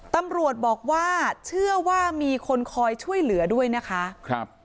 ตำรวจบอกว่าเชื่อว่ามีคนคอยช่วยเหลือด้วยนะคะครับ